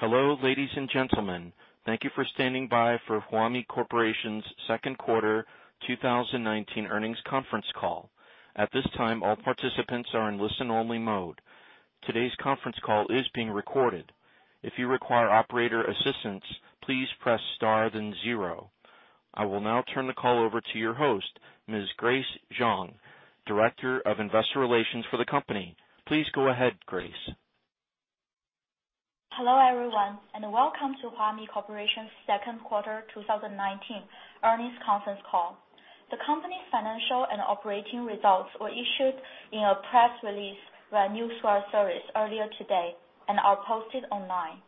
Hello, ladies and gentlemen. Thank you for standing by for Zepp Health's second quarter 2019 earnings conference call. At this time, all participants are in listen-only mode. Today's conference call is being recorded. If you require operator assistance, please press star then zero. I will now turn the call over to your host, Ms. Grace Zhang, Director of Investor Relations for the company. Please go ahead, Grace. Hello, everyone, and welcome to Zepp Health's second quarter 2019 earnings conference call. The company's financial and operating results were issued in a press release by a newswire service earlier today and are posted online.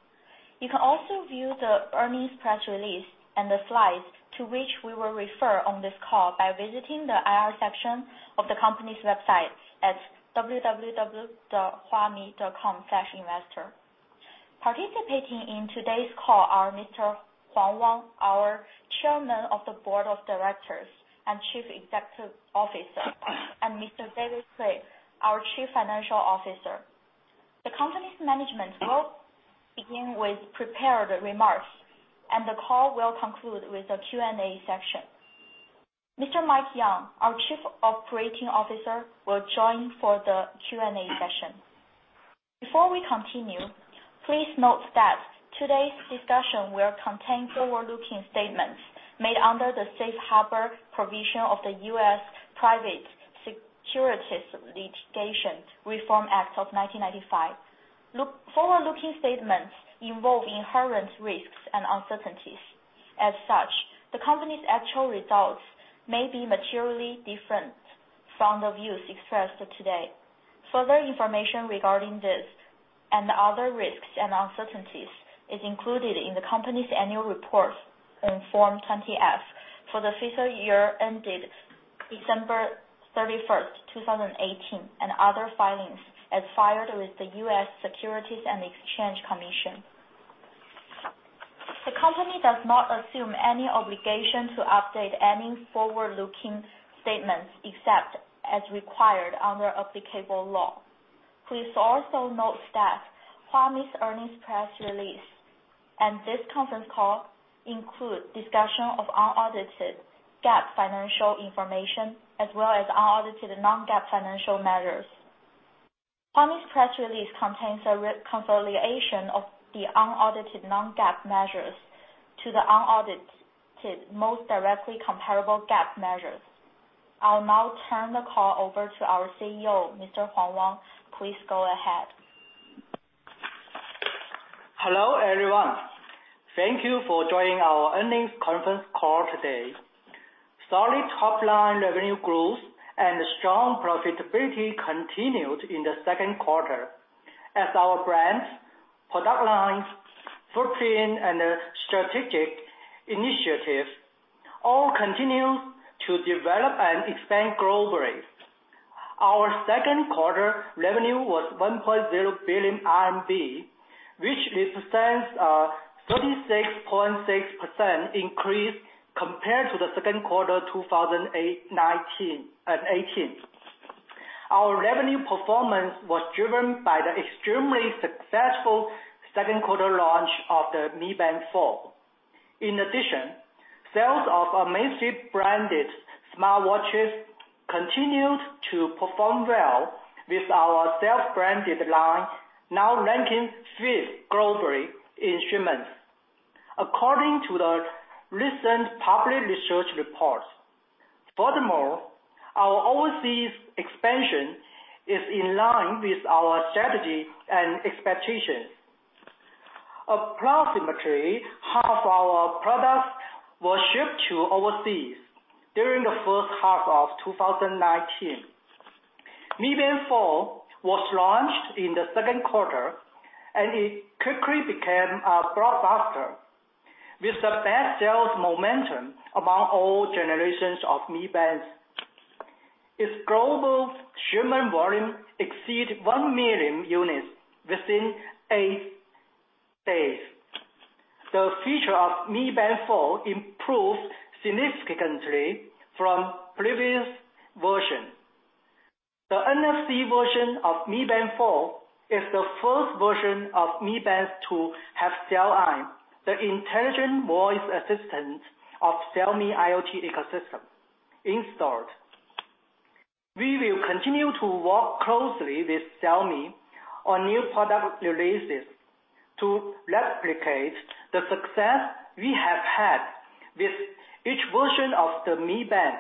You can also view the earnings press release and the slides to which we will refer on this call by visiting the IR section of the company's website at www.zepphealth.com/investor. Participating in today's call are Mr. Wang Huang, our Chairman of the Board of Directors and Chief Executive Officer, and Mr. David Cui, our Chief Financial Officer. The company's management will begin with prepared remarks, and the call will conclude with a Q&A session. Mr. Mike Yeung, our Chief Operating Officer, will join for the Q&A session. Before we continue, please note that today's discussion will contain forward-looking statements made under the safe harbor provision of the U.S. Private Securities Litigation Reform Act of 1995. Forward-looking statements involve inherent risks and uncertainties. As such, the company's actual results may be materially different from the views expressed today. Further information regarding this and other risks and uncertainties is included in the company's annual report in Form 20-F for the fiscal year ended December 31st, 2018, and other filings as filed with the U.S. Securities and Exchange Commission. The company does not assume any obligation to update any forward-looking statements except as required under applicable law. Please also note that Zepp Health's earnings press release and this conference call include discussion of unaudited GAAP financial information as well as unaudited non-GAAP financial measures. Zepp Health's press release contains a reconciliation of the unaudited non-GAAP measures to the unaudited, most directly comparable GAAP measures. I'll now turn the call over to our CEO, Mr. Wang Huang. Please go ahead. Hello, everyone. Thank you for joining our earnings conference call today. Solid top-line revenue growth and strong profitability continued in the second quarter as our brands, product lines, footprint, and strategic initiatives all continue to develop and expand globally. Our second quarter revenue was 1.0 billion RMB, which represents a 36.6% increase compared to the second quarter 2018. Our revenue performance was driven by the extremely successful second quarter launch of the Mi Band 4. In addition, sales of Amazfit-branded smartwatches continued to perform well with our self-branded line now ranking fifth globally in shipments according to the recent public research reports. Furthermore, our overseas expansion is in line with our strategy and expectations. Approximately half our products were shipped overseas during the first half of 2019. Mi Band 4 was launched in the second quarter, and it quickly became a blockbuster with the best sales momentum among all generations of Mi Bands. Its global shipment volume exceeded 1 million units within 8 days. The features of Mi Band 4 improved significantly from previous versions. The NFC version of Mi Band 4 is the first version of Mi Band to have Xiaoai, the intelligent voice assistant of Xiaomi IoT ecosystem installed. We will continue to work closely with Xiaomi on new product releases to replicate the success we have had with each version of the Mi Band.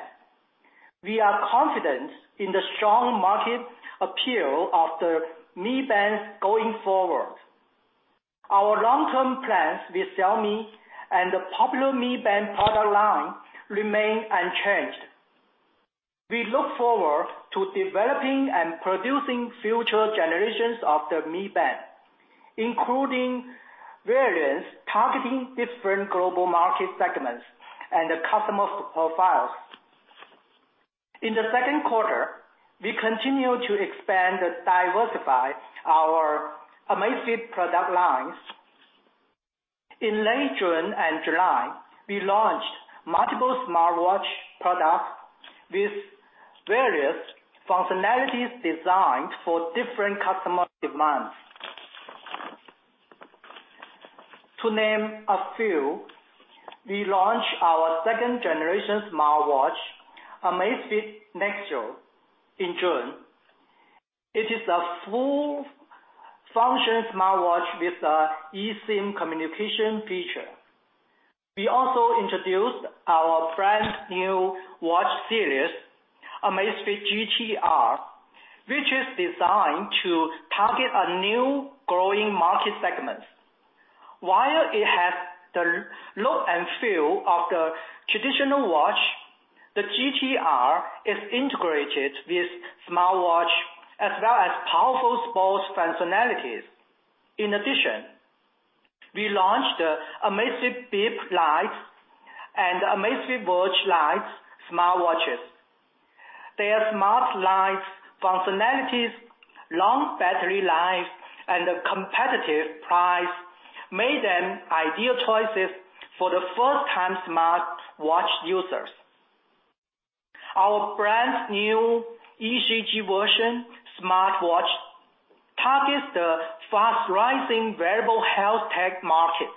We are confident in the strong market appeal of the Mi Band going forward. Our long-term plans with Xiaomi and the popular Mi Band product line remain unchanged. We look forward to developing and producing future generations of the Mi Band, including variants targeting different global market segments and customer profiles. In the second quarter, we continued to expand and diversify our Amazfit product lines. In late June and July, we launched multiple smartwatch products with various functionalities designed for different customer demands. To name a few, we launched our second-generation smartwatch, Amazfit Nexo, in June. It is a full-function smartwatch with an eSIM communication feature. We also introduced our brand new watch series, Amazfit GTR, which is designed to target a new growing market segment. While it has the look and feel of the traditional watch, the GTR is integrated with smartwatch as well as powerful sports functionalities. In addition, we launched Amazfit Bip Lite and Amazfit Verge Lite smartwatches. Their smart Lite functionalities, long battery life, and competitive price made them ideal choices for the first-time smartwatch users. Our brand new ECG version smartwatch targets the fast-rising wearable health tech markets.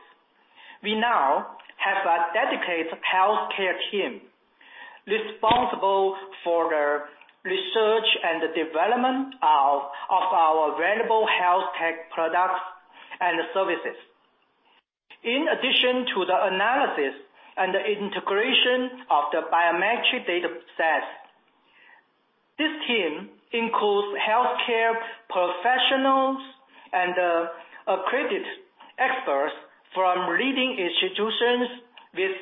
We now have a dedicated healthcare team responsible for the research and the development of our wearable health tech products and services. In addition to the analysis and the integration of the biometric data sets, this team includes healthcare professionals and accredited experts from leading institutions with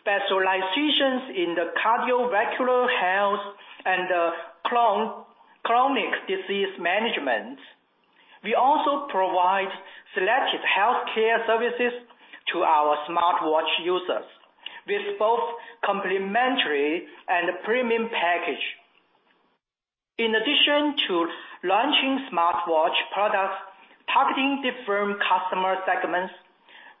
specializations in the cardiovascular health and chronic disease management. We also provide selected healthcare services to our smartwatch users with both complimentary and premium package. In addition to launching smartwatch products targeting different customer segments,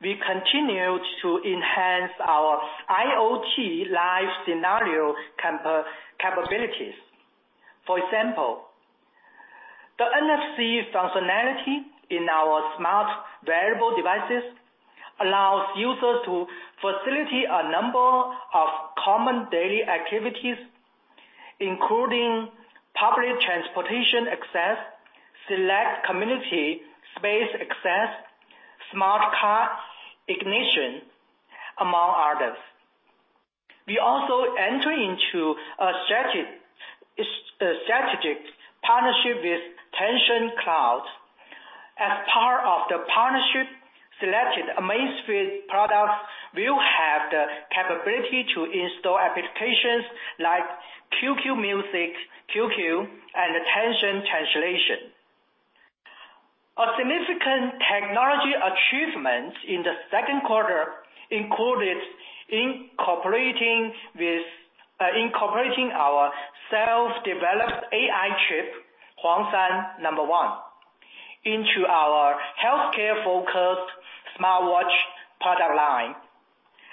we continued to enhance our IoT life scenario capabilities. For example, the NFC functionality in our smart wearable devices allows users to facilitate a number of common daily activities, including public transportation access, select community space access, smart car ignition, among others. We also enter into a strategic partnership with Tencent Cloud. As part of the partnership, selected Amazfit products will have the capability to install applications like QQ Music, QQ, and Tencent Translator. Our significant technology achievements in the second quarter included incorporating our self-developed AI chip, Huangshan-1, into our healthcare-focused smartwatch product line.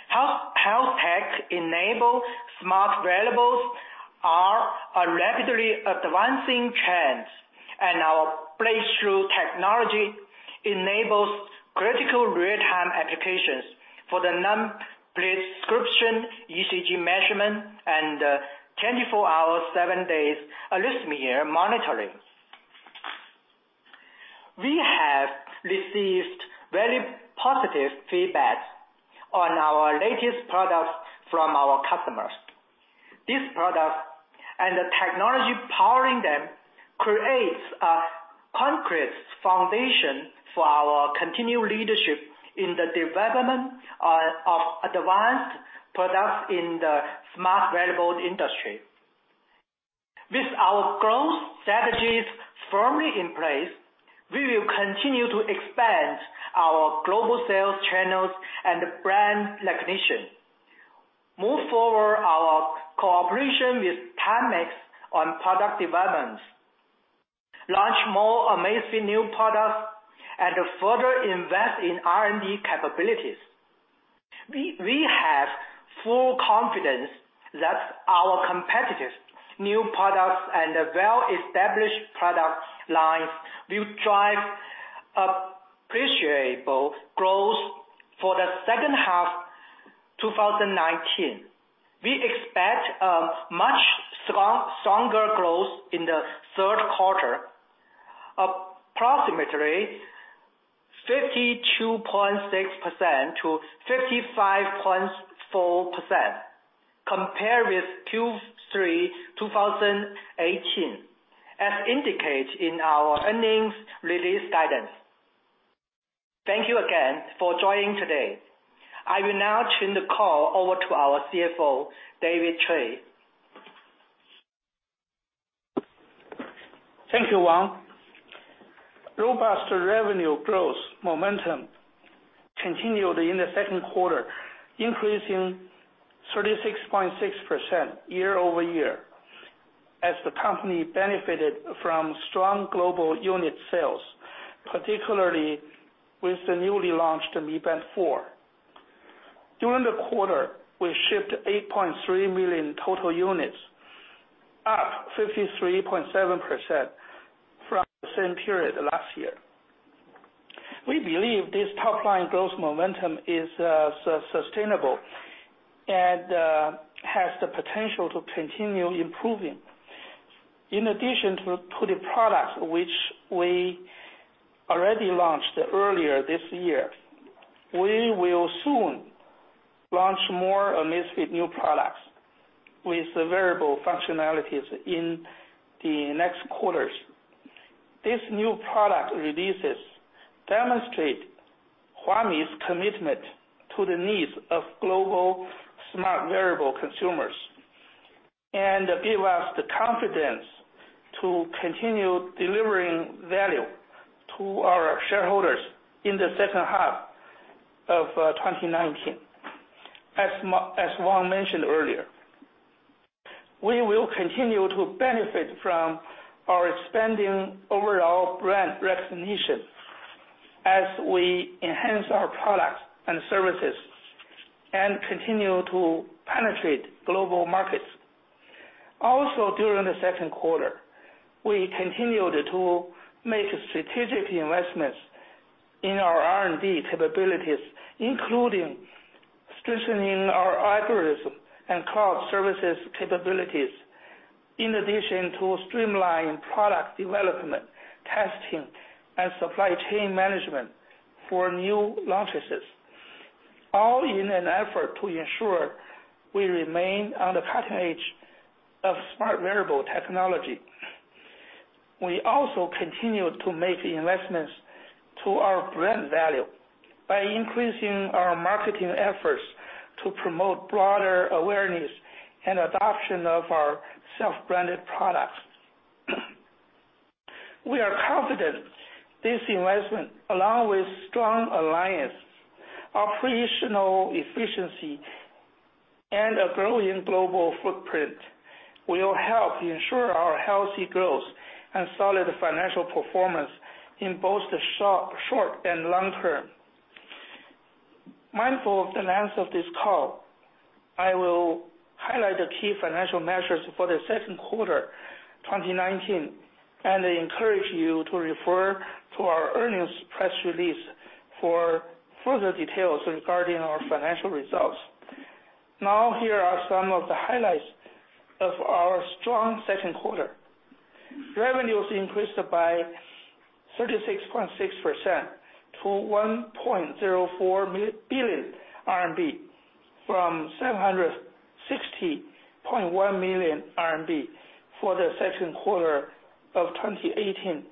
Health tech-enabled smart wearables are a rapidly advancing trend, and our breakthrough technology enables critical real-time applications for the non-prescription ECG measurement and 24-hour/seven-days arrhythmia monitoring. We have received very positive feedback on our latest products from our customers. These products and the technology powering them creates a concrete foundation for our continued leadership in the development of advanced products in the smart wearable industry. With our growth strategies firmly in place, we will continue to expand our global sales channels and brand recognition, move forward our cooperation with Timex on product development, launch more Amazfit new products, and further invest in R&D capabilities. We have full confidence that our competitive new products and well-established product lines will drive appreciable growth for the second half 2019. We expect a much stronger growth in the third quarter, approximately 52.6% to 55.4%, compared with Q3 2018, as indicated in our earnings release guidance. Thank you again for joining today. I will now turn the call over to our CFO, David Cui. Thank you, Wang. Robust revenue growth momentum continued in the second quarter, increasing 36.6% year-over-year. As the company benefited from strong global unit sales, particularly with the newly launched Mi Band 4. During the quarter, we shipped 8.3 million total units, up 53.7% from the same period last year. We believe this top-line growth momentum is sustainable and has the potential to continue improving. In addition to the products which we already launched earlier this year, we will soon launch more Amazfit new products with wearable functionalities in the next quarters. These new product releases demonstrate Zepp Health's commitment to the needs of global smart wearable consumers, and give us the confidence to continue delivering value to our shareholders in the second half of 2019. As Wang mentioned earlier, we will continue to benefit from our expanding overall brand recognition as we enhance our products and services and continue to penetrate global markets. Also during the second quarter, we continued to make strategic investments in our R&D capabilities, including strengthening our algorithm and cloud services capabilities, in addition to streamline product development, testing, and supply chain management for new launches. All in an effort to ensure we remain on the cutting edge of smart wearable technology. We also continued to make investments to our brand value by increasing our marketing efforts to promote broader awareness and adoption of our self-branded products. We are confident this investment, along with strong alliance, operational efficiency, and a growing global footprint, will help ensure our healthy growth and solid financial performance in both the short and long term. Mindful of the length of this call, I will highlight the key financial measures for the second quarter 2019, and encourage you to refer to our earnings press release for further details regarding our financial results. Now, here are some of the highlights of our strong second quarter. Revenues increased by 36.6% to 1.04 billion RMB from 760.1 million RMB for the second quarter of 2018,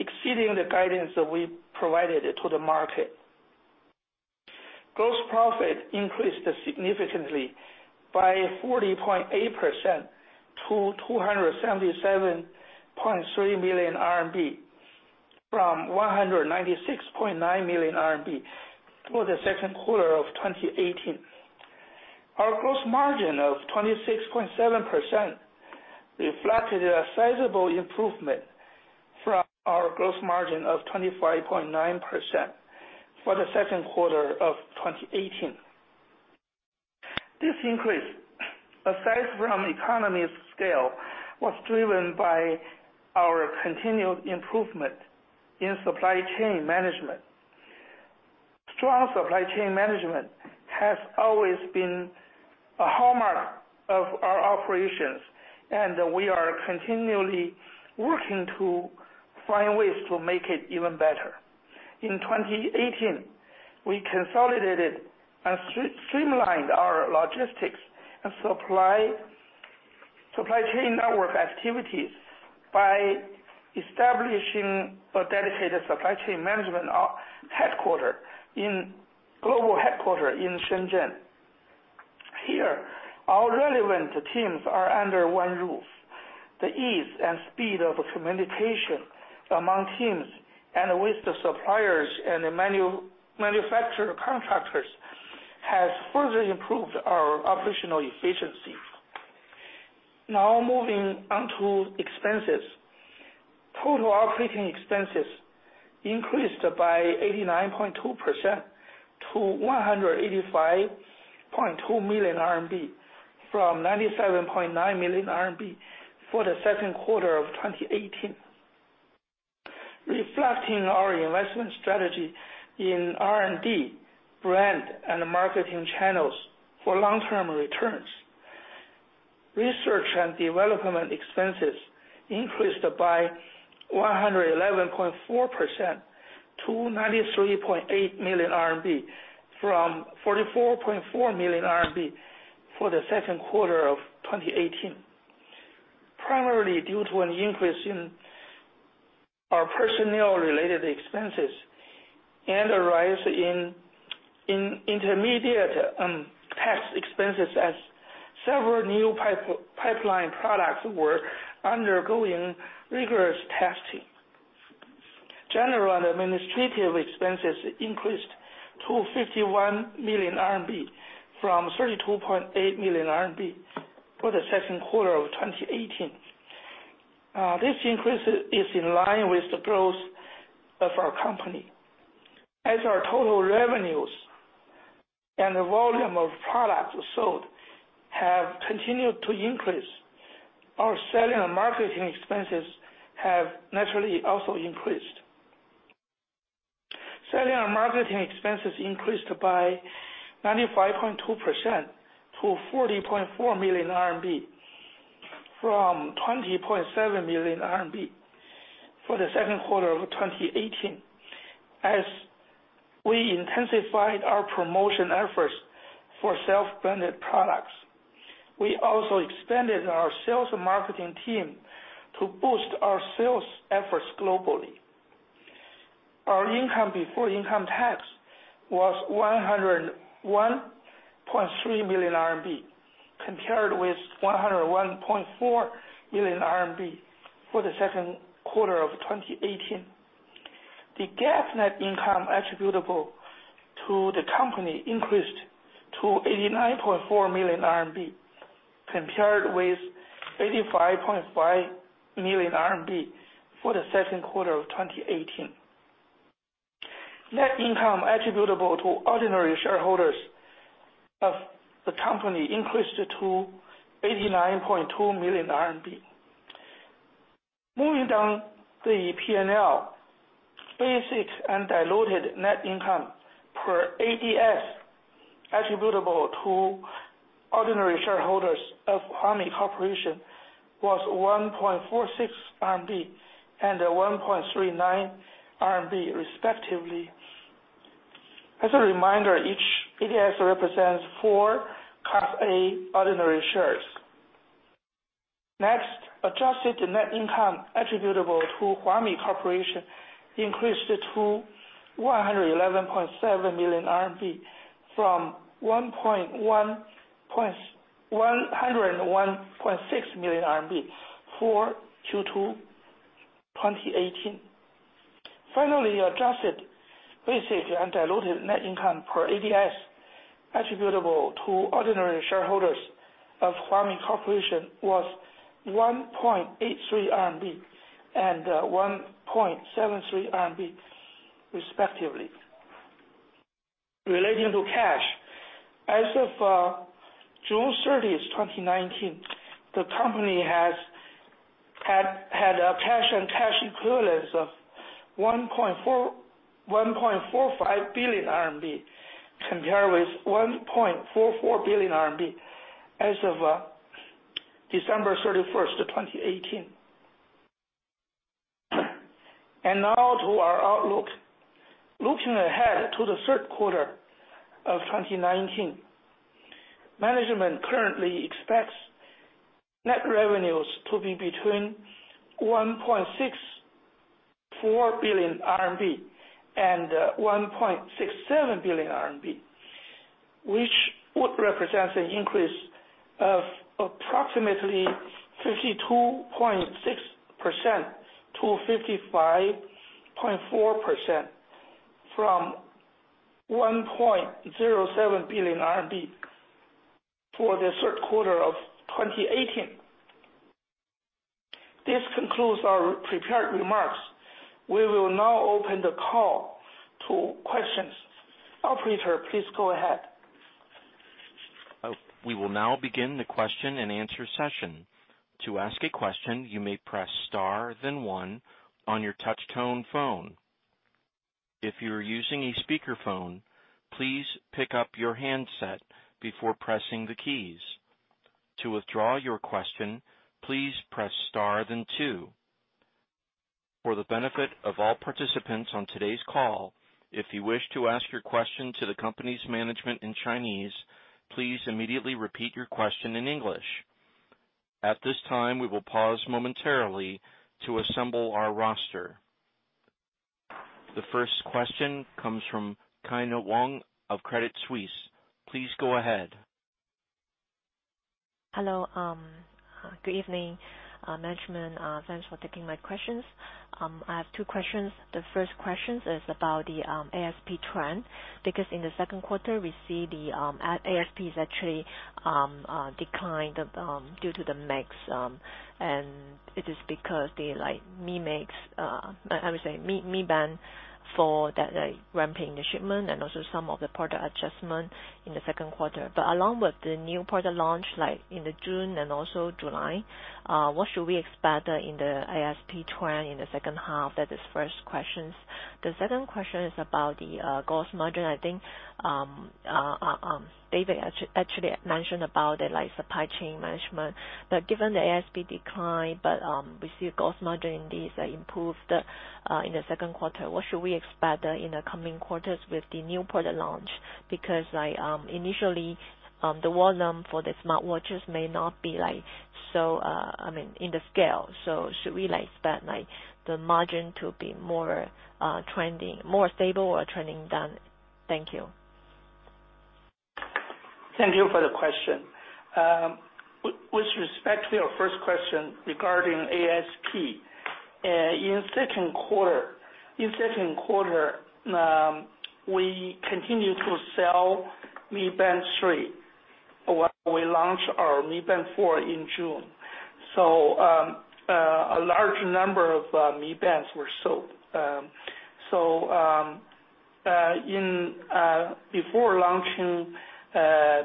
exceeding the guidance that we provided to the market. Gross profit increased significantly by 40.8% to 277.3 million RMB from 196.9 million RMB for the second quarter of 2018. Our gross margin of 26.7% reflected a sizable improvement from our gross margin of 25.9% for the second quarter of 2018. This increase, aside from economies scale, was driven by our continued improvement in supply chain management. Strong supply chain management has always been a hallmark of our operations, and we are continually working to find ways to make it even better. In 2018, we consolidated and streamlined our logistics and supply chain network activities by establishing a dedicated supply chain management global headquarter in Shenzhen. Here, our relevant teams are under one roof. The ease and speed of communication among teams and with the suppliers and the manufacturer contractors has further improved our operational efficiency. Now, moving on to expenses. Total operating expenses increased by 89.2% to 185.2 million RMB from 97.9 million RMB for the second quarter of 2018. Reflecting our investment strategy in R&D, brand, and marketing channels for long-term returns. Research and development expenses increased by 111.4% to 93.8 million RMB from 44.4 million RMB for the second quarter of 2018. Primarily due to an increase in our personnel-related expenses and a rise in intermediate and test expenses as several new pipeline products were undergoing rigorous testing. General and administrative expenses increased to 51 million RMB from 32.8 million RMB for the second quarter of 2018. This increase is in line with the growth of our company. As our total revenues and the volume of products sold have continued to increase, our selling and marketing expenses have naturally also increased. Selling and marketing expenses increased by 95.2% to 40.4 million RMB, from 20.7 million RMB for the second quarter of 2018. As we intensified our promotion efforts for self-branded products, we also expanded our sales and marketing team to boost our sales efforts globally. Our income before income tax was 101.3 million RMB, compared with 101.4 million RMB for the second quarter of 2018. The GAAP net income attributable to the company increased to 89.4 million RMB, compared with 85.5 million RMB for the second quarter of 2018. Net income attributable to ordinary shareholders of the company increased to 89.2 million RMB. Moving down the P&L, basic and diluted net income per ADS attributable to ordinary shareholders of Zepp Health was 1.46 RMB and 1.39 RMB, respectively. As a reminder, each ADS represents four class A ordinary shares. Next, adjusted net income attributable to Zepp Health increased to 111.7 million RMB from 101.6 million RMB for Q2 2018. Finally, adjusted basic and diluted net income per ADS attributable to ordinary shareholders of Zepp Health was 1.83 RMB and 1.73 RMB, respectively. Relating to cash, as of June 30th, 2019, the company has had a cash and cash equivalents of 1.45 billion RMB, compared with 1.44 billion RMB as of December 31st, 2018. Now to our outlook. Looking ahead to the third quarter of 2019, management currently expects net revenues to be between 1.64 billion RMB and 1.67 billion RMB, which would represent an increase of approximately 52.6%-55.4% from 1.07 billion RMB for the third quarter of 2018. This concludes our prepared remarks. We will now open the call to questions. Operator, please go ahead. We will now begin the question and answer session. To ask a question, you may press star then one on your touch tone phone. If you are using a speakerphone, please pick up your handset before pressing the keys. To withdraw your question, please press star then two. For the benefit of all participants on today's call, if you wish to ask your question to the company's management in Chinese, please immediately repeat your question in English. At this time, we will pause momentarily to assemble our roster. The first question comes from Kyna Wong of Credit Suisse. Please go ahead. Hello. Good evening. Management, thanks for taking my questions. I have two questions. The first question is about the ASP trend, because in the second quarter, we see the ASP is actually declined due to the mix. It is because the Mi Band 4 that ramping the shipment and also some of the product adjustment in the second quarter. Along with the new product launch in June and also July, what should we expect in the ASP trend in the second half? That is first questions. The second question is about the gross margin. I think David actually mentioned about the supply chain management. Given the ASP decline, but we see gross margin indeed is improved in the second quarter, what should we expect in the coming quarters with the new product launch? Because initially, the volume for the smartwatches may not be in the scale. Should we expect the margin to be more stable or trending down? Thank you. Thank you for the question. With respect to your first question regarding ASP, in second quarter, we continued to sell Mi Band 3 while we launched our Mi Band 4 in June. A large number of Mi Bands were sold. Before launching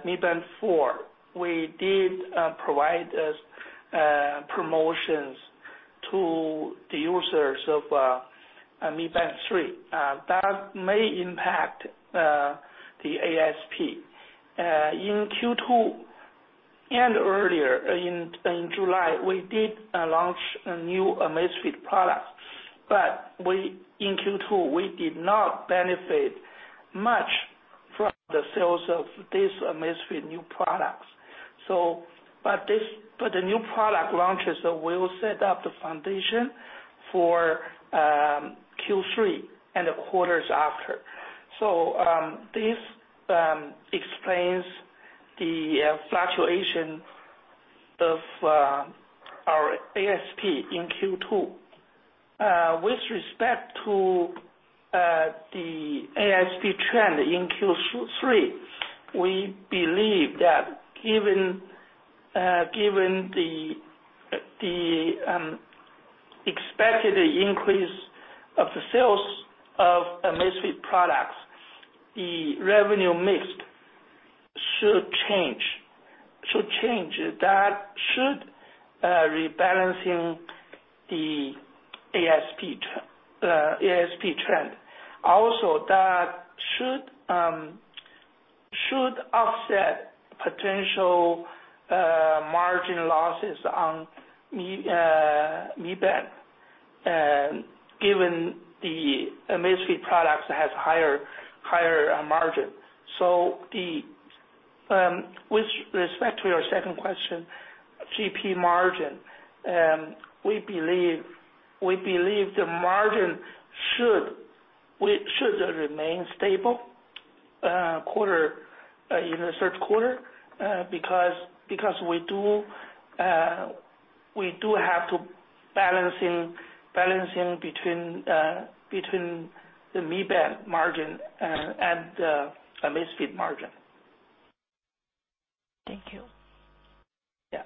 Mi Band 4, we did provide promotions to the users of Mi Band 3. That may impact the ASP. In Q2 and earlier in July, we did launch new Amazfit products. In Q2, we did not benefit much from the sales of these Amazfit new products. The new product launches will set up the foundation for Q3 and the quarters after. This explains the fluctuation of our ASP in Q2. With respect to the ASP trend in Q3, we believe that given the expected increase of the sales of Amazfit products, the revenue mix should change. That should rebalance the ASP trend. That should offset potential margin losses on Mi Band, given the Amazfit products have higher margin. With respect to your second question, GP margin, we believe the margin should remain stable in the third quarter because we do have to balance between the Mi Band margin and Amazfit margin. Thank you. Yeah.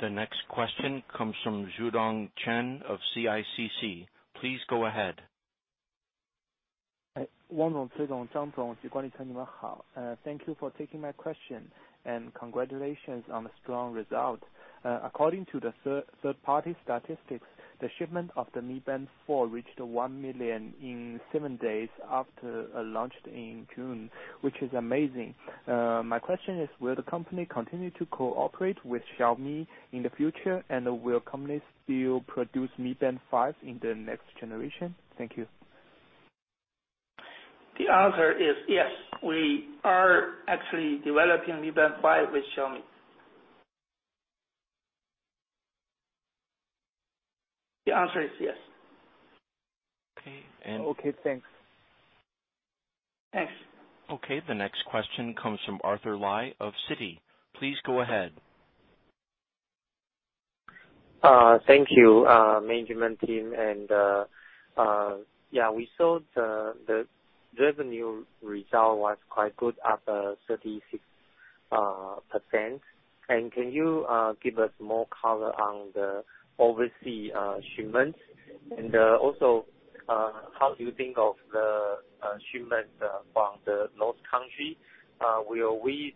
The next question comes from Xudong Chen of CICC. Please go ahead. Thank you for taking my question, and congratulations on the strong result. According to the third-party statistics, the shipment of the Mi Band 4 reached 1 million in seven days after launch in June, which is amazing. My question is, will the company continue to cooperate with Xiaomi in the future, and will company still produce Mi Band 5 in the next generation? Thank you. The answer is yes. We are actually developing Mi Band 5 with Xiaomi. The answer is yes. Okay, thanks. Thanks. Okay, the next question comes from Arthur Lai of Citi. Please go ahead. Thank you, management team. We saw the revenue result was quite good, up 36%. Can you give us more color on the overseas shipments? Also, how do you think of the shipments from those countries? Will we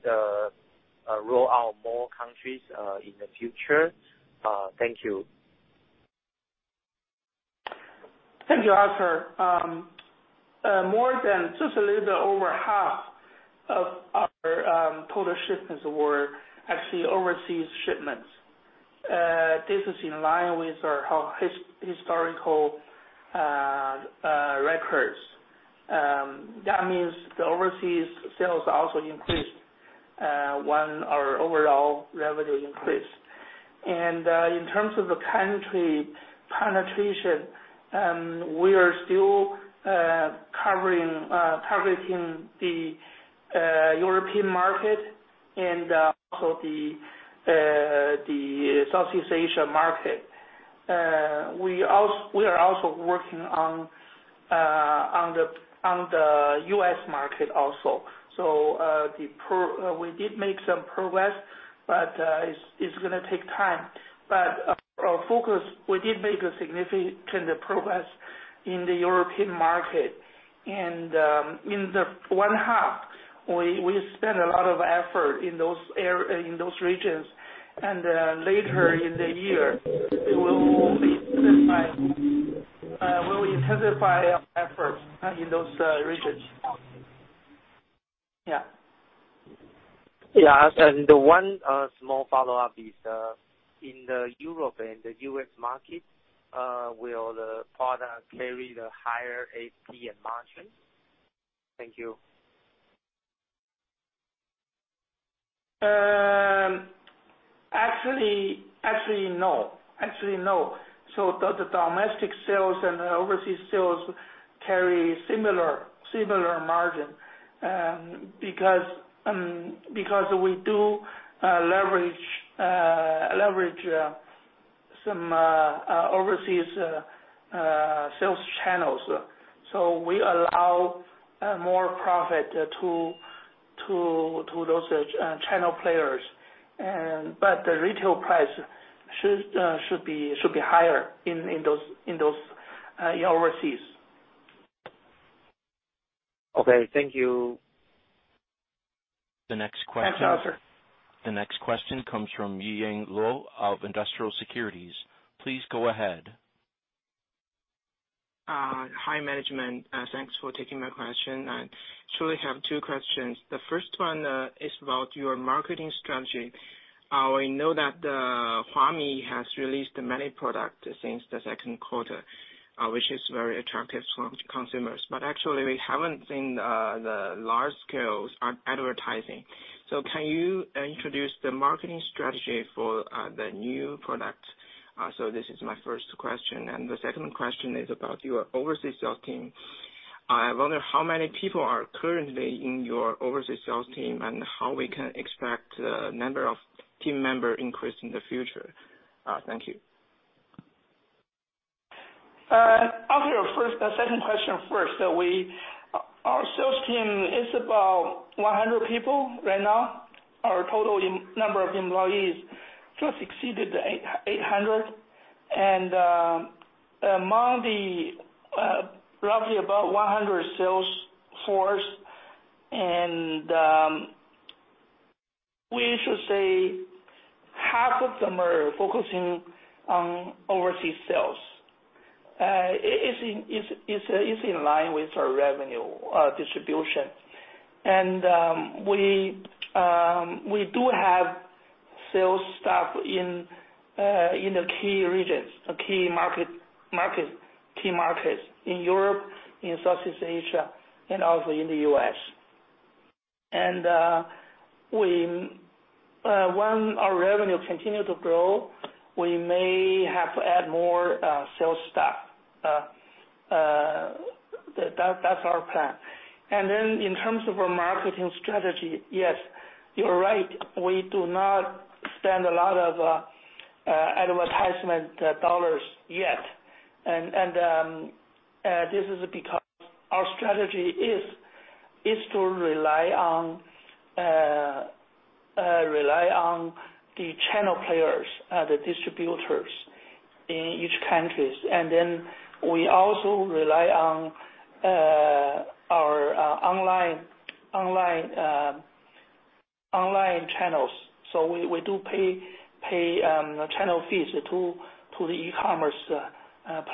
roll out more countries in the future? Thank you. Thank you, Arthur. More than just a little over half of our total shipments were actually overseas shipments. This is in line with our historical records. That means the overseas sales also increased when our overall revenue increased. In terms of the country penetration, we are still targeting the European market and also the Southeast Asia market. We are also working on the U.S. market. We did make some progress, but it's going to take time. Our focus, we did make a significant progress in the European market. In the one half, we spent a lot of effort in those regions, and later in the year, we will intensify our efforts in those regions. Yeah. The one small follow-up is, in the Europe and the U.S. market, will the product carry the higher ASP and margin? Thank you. Actually, no. The domestic sales and the overseas sales carry similar margin because we do leverage some overseas sales channels. We allow more profit to those channel players. The retail price should be higher in overseas. Okay, thank you. The next question. Thanks, Arthur. The next question comes from Yi Yang Lo of Industrial Securities. Please go ahead. Hi, management. Thanks for taking my question. I truly have two questions. The first one is about your marketing strategy. We know that Huami has released many products since the second quarter, which is very attractive for consumers. Actually, we haven't seen the large scales on advertising. Can you introduce the marketing strategy for the new product? This is my first question. The second question is about your overseas sales team. I wonder how many people are currently in your overseas sales team, and how we can expect the number of team member increase in the future. Thank you. I'll take the second question first. Our sales team is about 100 people right now. Our total number of employees just exceeded 800. Among the roughly about 100 sales force, and we should say half of them are focusing on overseas sales. It's in line with our revenue distribution. We do have sales staff in the key regions, key markets in Europe, in Southeast Asia, and also in the U.S. When our revenue continue to grow, we may have to add more sales staff. That's our plan. In terms of our marketing strategy, yes, you're right. We do not spend a lot of advertisement dollars yet, and this is because our strategy is to rely on the channel players, the distributors in each countries. We also rely on our online channels. We do pay channel fees to the e-commerce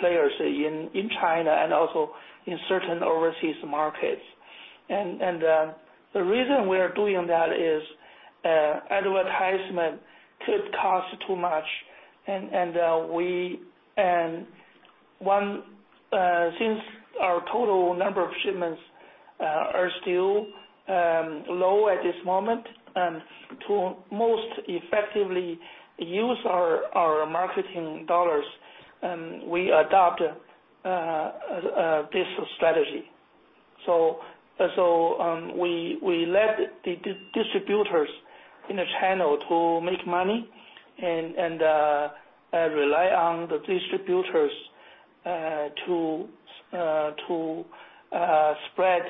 players in China and also in certain overseas markets. The reason we are doing that is advertisement could cost too much, and since our total number of shipments are still low at this moment, to most effectively use our marketing dollars, we adopt this strategy. We let the distributors in the channel to make money and rely on the distributors to spread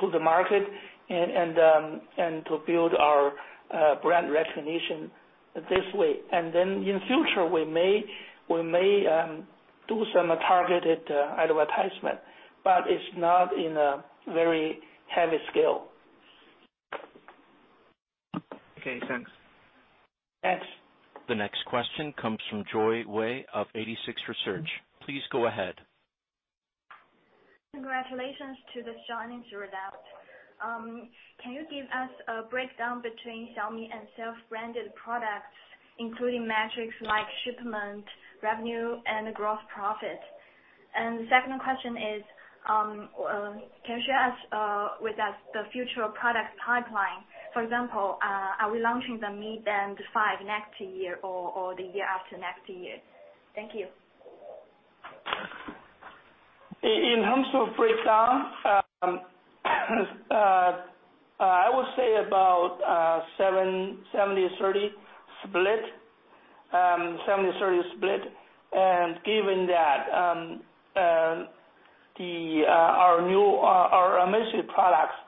to the market and to build our brand recognition this way. Then in future, we may do some targeted advertisement, but it's not in a very heavy scale. Okay, thanks. Thanks. The next question comes from Joy Wei of 86Research. Please go ahead. Congratulations to the joining to adapt. Can you give us a breakdown between Xiaomi and self-branded products, including metrics like shipment, revenue, and gross profit? The second question is, can you share with us the future product pipeline? For example, are we launching the Mi Band 5 next year or the year after next year? Thank you. In terms of breakdown, I would say about 70/30 split. Given that our Amazfit products,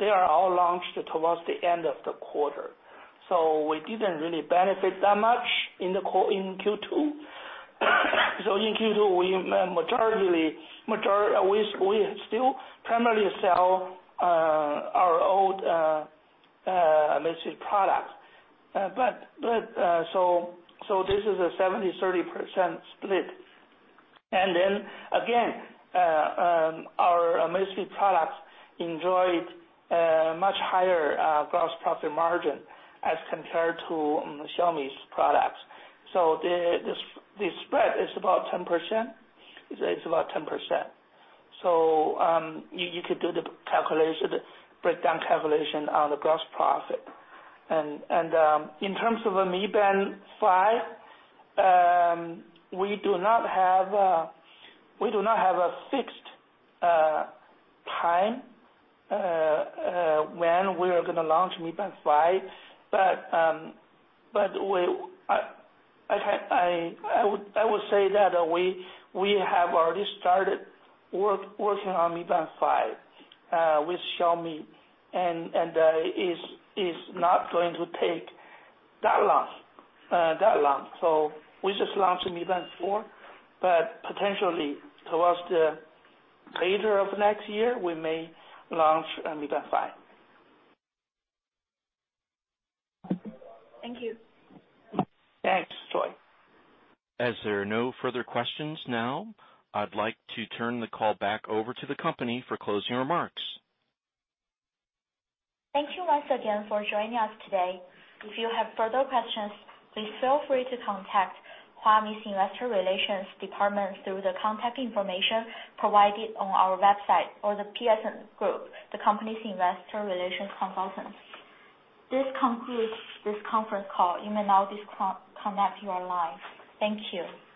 they are all launched towards the end of the quarter. We didn't really benefit that much in Q2. In Q2, we still primarily sell our old Amazfit products. This is a 70/30% split. Then again, our Amazfit products enjoyed much higher gross profit margin as compared to Xiaomi's products. The spread is about 10%. You could do the breakdown calculation on the gross profit. In terms of the Mi Band 5, we do not have a fixed time when we are going to launch Mi Band 5, but I would say that we have already started working on Mi Band 5, with Xiaomi, and it's not going to take that long. We just launched Mi Band 4, but potentially towards the later of next year, we may launch Mi Band 5. Thank you. Thanks, Joy. As there are no further questions now, I'd like to turn the call back over to the company for closing remarks. Thank you once again for joining us today. If you have further questions, please feel free to contact Zepp Health's Investor Relations Department through the contact information provided on our website or The Piacente Group, the company's investor relations consultants. This concludes this conference call. You may now disconnect your line. Thank you.